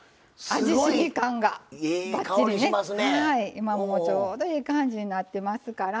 今もうちょうどええ感じになってますから。